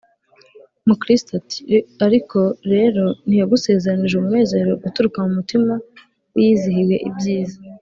Mukristo ati: Ariko rero ntiyagusezeranije umunezero uturuka mu mutima wiyizihiwe ibyiza